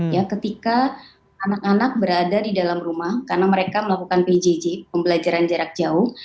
ya ketika anak anak berada di dalam rumah karena mereka melakukan pjj pembelajaran jarak jauh